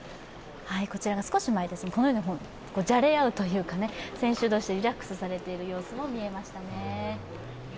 このようにじゃれ合うというか、選手同士でリラックスされている様子も見えましたね。